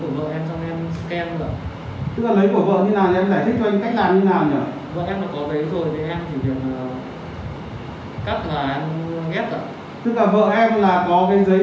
với quan september